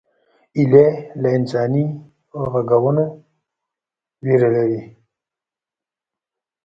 هیلۍ له انساني غږونو ویره لري